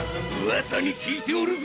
噂に聞いておるぞ。